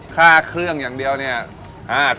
ค่าเครื่องอย่างเดียวเนี่ย๕๐๐๐๐๐บาท